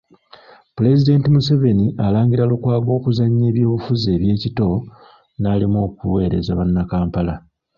Pulezidenti Museveni alangira Lukwago okuzannya eby’obufuzi eby’ekito n'alemwa okuweereza Bannakampala.